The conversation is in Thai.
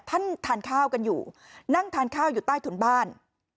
ท่านทานข้าวกันอยู่นั่งทานข้าวอยู่ใต้ถุนบ้าน